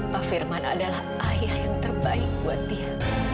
pak firman adalah ayah yang terbaik buat dia